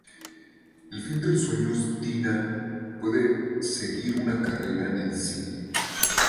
El fin de los sueños Deena puede seguir una carrera en el cine.